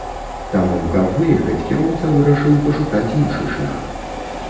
Таму, каб выехаць, кіроўца вырашыў пашукаць іншы шлях.